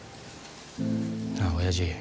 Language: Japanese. なあおやじ。